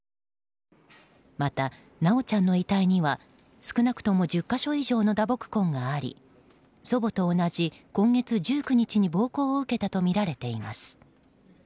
また、修ちゃんの遺体には少なくとも１０か所以上の打撲痕があり祖母と同じ今月１９日に暴行を受けたとみられています。